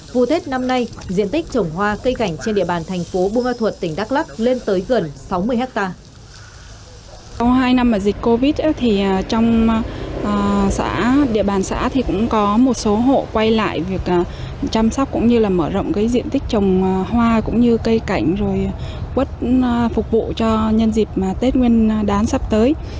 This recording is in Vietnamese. vụ tết năm nay diện tích trồng hoa cây cảnh trên địa bàn thành phố buôn ma thuật